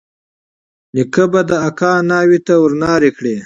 نيکه به د اکا ناوې ته ورنارې کړې.